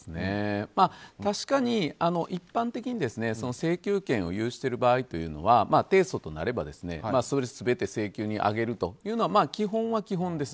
確かに、一般的に請求権を有している場合というのは提訴となれば全て請求に挙げるのが基本は基本です。